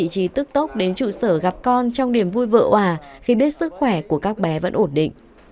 sức tốc đến trụ sở gặp con trong điểm vui vợ hòa khi biết sức khỏe của các bé vẫn ổn định